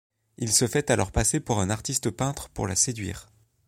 Il se fait alors passer pour un artiste peintre pour la séduire.